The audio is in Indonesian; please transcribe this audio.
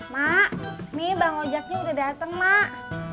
mak nih bang ojaknya udah dateng mak